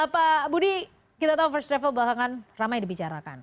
pak budi kita tahu first travel belakangan ramai dibicarakan